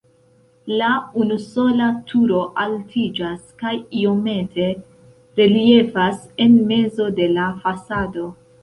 La unusola turo altiĝas kaj iomete reliefas en mezo de la fasado.